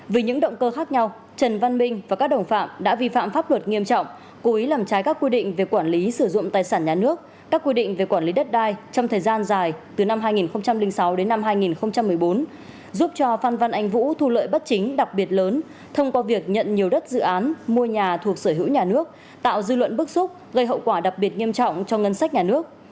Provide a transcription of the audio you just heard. vì những động cơ khác nhau trần văn minh và các đồng phạm đã vi phạm pháp luật nghiêm trọng cố ý làm trái các quy định về quản lý sử dụng tài sản nhà nước các quy định về quản lý đất đai trong thời gian dài từ năm hai nghìn sáu đến năm hai nghìn một mươi bốn giúp cho phan văn anh vũ thu lợi bất chính đặc biệt lớn thông qua việc nhận nhiều đất dự án mua nhà thuộc sở hữu nhà nước tạo dư luận bức xúc gây hậu quả đặc biệt nghiêm trọng cho ngân sách nhà nước